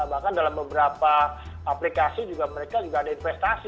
bahkan dalam beberapa aplikasi juga mereka juga ada investasi